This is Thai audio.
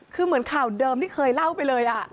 คือเหมือนข่าวเดิมที่เคยเล่าไปเลย